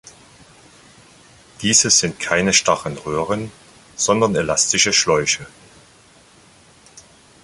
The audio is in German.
Diese sind keine starren Röhren, sondern elastische Schläuche.